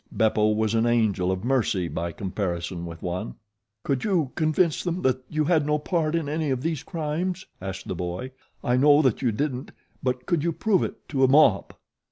Beppo was an angel of mercy by comparison with one." "Could you convince them that you had no part in any of these crimes?" asked the boy. "I know that you didn't; but could you prove it to a mob?"